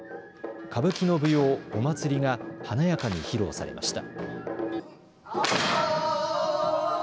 歌舞伎の舞踊、お祭りが華やかに披露されました。